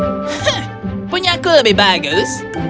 hah punya aku lebih bagus